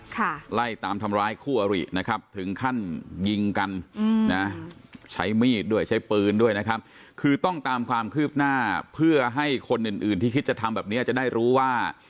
ไล่ตามทำร้ายคู่อรินะครับถึงขั้นยิงกันอืมนะใช้มีดด้วยใช้ปืนด้วยนะครับคือต้องตามความคืบหน้าเพื่อให้คนอื่นอื่นที่คิดจะทำแบบเนี้ยจะได้รู้ว่า